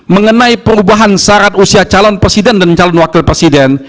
mengenai perubahan syarat usia calon presiden dan calon wakil presiden